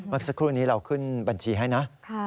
เมื่อสักครู่นี้เราขึ้นบัญชีให้นะ